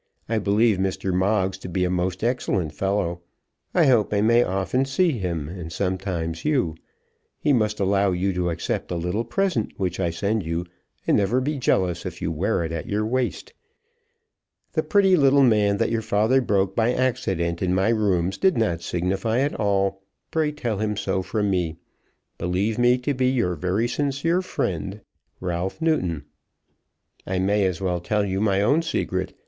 I believe Mr. Moggs to be a most excellent fellow. I hope I may often see him, and sometimes you. He must allow you to accept a little present which I send you, and never be jealous if you wear it at your waist. The pretty little man that your father broke by accident in my rooms did not signify at all. Pray tell him so from me. Believe me to be your very sincere friend, RALPH NEWTON. I may as well tell you my own secret.